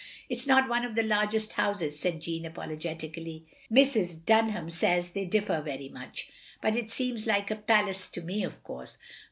" It 's not one of the largest houses, " said Jeanne, apologetically. " Mrs. Dunham says they difiEer very much. But it seems like a palace to me, of course.